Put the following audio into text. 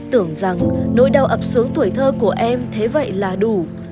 tưởng rằng nỗi đau ập xuống tuổi thơ của em thế vậy là đủ